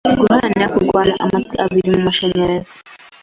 guharanira kurwana Amatwi abiri mumashanyarazi